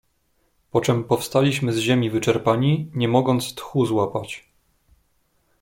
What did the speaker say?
"Poczem powstaliśmy z ziemi wyczerpani, nie mogąc tchu złapać."